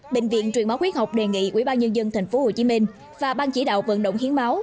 bệnh viện truyền máu huyết học đề nghị ubnd tp hcm và ban chỉ đạo vận động hiến máu